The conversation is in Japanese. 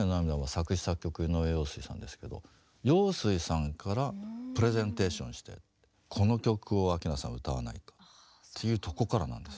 作詞作曲井上陽水さんですけど陽水さんからプレゼンテーションして「この曲を明菜さん歌わないか」っていうとこからなんです。